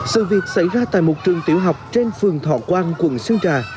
sự việc xảy ra tại một trường tiểu học trên phường thọ quang quận sơn trà